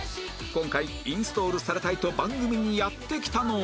今回インストールされたいと番組にやって来たのは